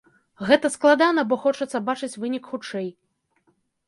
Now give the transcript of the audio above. Гэта складана, бо хочацца бачыць вынік хутчэй.